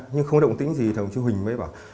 nhưng không thấy động tĩnh gì thì đồng chí huỳnh mới bảo